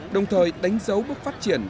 đồng thời đánh dấu bước phát triển